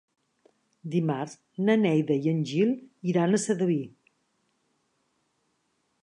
Dimarts na Neida i en Gil iran a Sedaví.